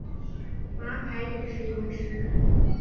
马凯也是一位诗人。